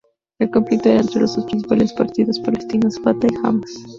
El conflicto era entre los dos principales partidos palestinos, Fatah y Hamás.